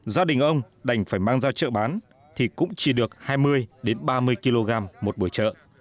gia đình ông đành phải mang ra chợ bán thì cũng chỉ được hai mươi ba mươi kg một buổi chợ